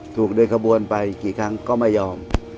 ถูกเดินขบวนไปกี่ครั้งก็ไม่ยอม